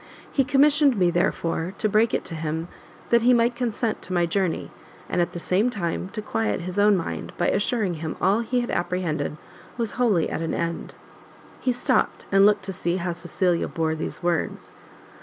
He commissioned me, therefore, to break it to him, that he might consent to my journey, and at the same time to quiet his own mind, by assuring him all he had apprehended was wholly at an end." He stopt, and looked to see how Cecilia bore these words.